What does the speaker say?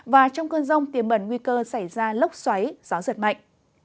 và trong cơn rông tiềm bẩn nguy cơ xảy ra lốc xoáy gió giật mạnh